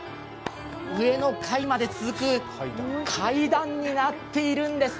上の階まで続く階段になっているんです。